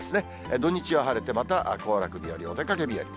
土日は晴れてまた行楽日和、お出かけ日和。